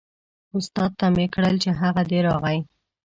استاد ته مې کړل چې هغه دی راغی.